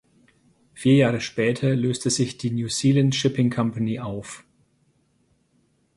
Vier Jahre später löste sich die New Zealand Shipping Company auf.